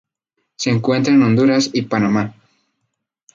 Se encuentra en Honduras y Panamá.